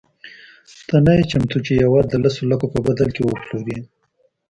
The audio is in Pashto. ته نه یې چمتو چې یوه د لسو لکو په بدل کې وپلورې.